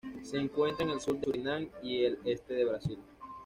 Se encuentra en el sur de Surinam y el este de Brasil.